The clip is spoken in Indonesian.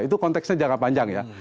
itu konteksnya jangka panjang ya